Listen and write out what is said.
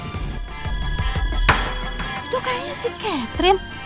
itu kayaknya si catherine